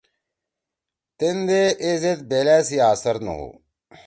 تیندے ای زید بیلأ سی اثر نہ ہُو۔